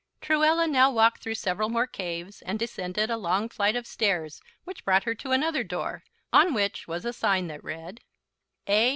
Truella now walked through several more caves and descended a long flight of stairs, which brought her to another door, on which was a sign that read: "A.